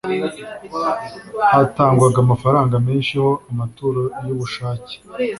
hatangwaga amafaranga menshi ho amaturo y'ubushake,